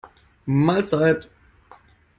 Mahlzeit!